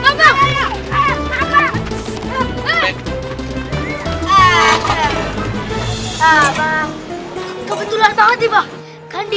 lalu ayo jangan pada hari hari